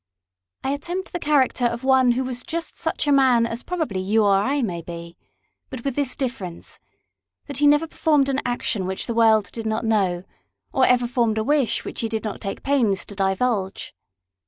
I attempt the character of one who was just such a man as probably you or I may be ; but with this difference, that he never performed an action which the world did not know, or ever formed a wish which he did not take pains to divulge.